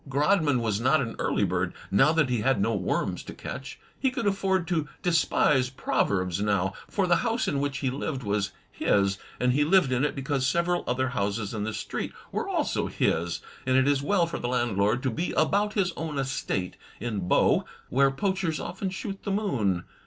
Grodman was not an early bird, now that he had no worms to catch. He could afford to despise proverbs now, for the house in which he lived was his, and he lived in it because several other houses in the street were also his, and it is well for the landlord to be about his own estate in Bow, where poachers often shoot the moon.